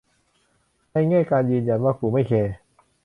ในแง่การยืนยันว่ากูไม่แคร์